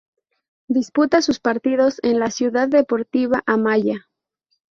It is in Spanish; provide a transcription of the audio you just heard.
Disputa sus partidos en la Ciudad Deportiva Amaya.